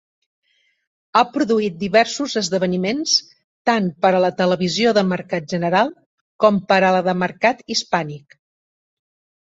Ha produït diversos esdeveniments tant per a la televisió de mercat general com per a la de mercat hispànic.